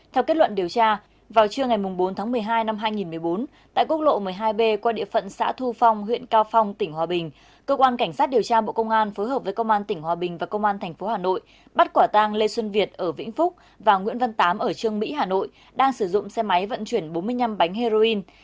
theo kết luận điều tra vào trưa ngày bốn tháng một mươi hai năm hai nghìn một mươi bốn tại quốc lộ một mươi hai b qua địa phận xã thu phong huyện cao phong tỉnh hòa bình cơ quan cảnh sát điều tra bộ công an phối hợp với công an tỉnh hòa bình và công an tp hà nội bắt quả tang lê xuân việt ở vĩnh phúc và nguyễn văn tám ở trương mỹ hà nội đang sử dụng xe máy vận chuyển bốn mươi năm bánh heroin